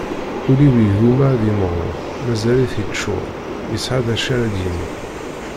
Ul-iw yegguma ad yemɣur, mazal-it yeččur, yesɛa d acu ara d-yini.